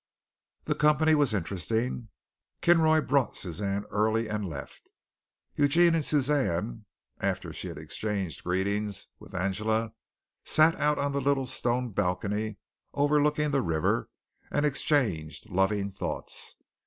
The company was interesting. Kinroy brought Suzanne early and left. Eugene and Suzanne, after she had exchanged greetings with Angela, sat out on the little stone balcony overlooking the river and exchanged loving thoughts.